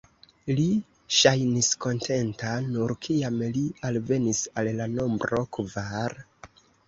Li ŝajnis kontenta, nur kiam li alvenis al la nombro kvar.